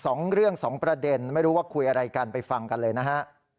สองเรื่องสองประเด็นไม่รู้ว่าคุยอะไรกันไปฟังกันเลยนะฮะ